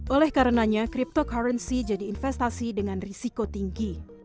oleh karenanya cryptocurrency jadi investasi dengan risiko tinggi